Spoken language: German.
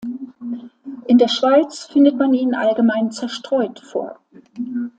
In der Schweiz findet man ihn allgemein zerstreut vor.